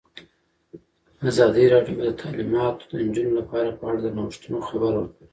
ازادي راډیو د تعلیمات د نجونو لپاره په اړه د نوښتونو خبر ورکړی.